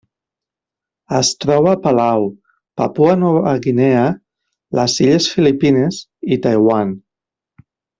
Es troba a Palau, Papua Nova Guinea, les illes Filipines i Taiwan.